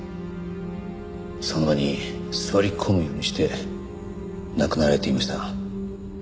その場に座り込むようにして亡くなられていました。